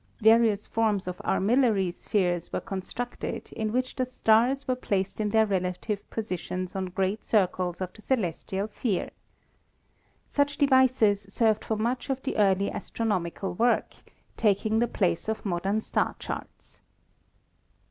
Various forms of armillary spheres were constructed in which the stars were placed in their relative positions on great circles of the celestial sphere. Such devices served for much of the early astro nomical work, taking the place of modern star charts.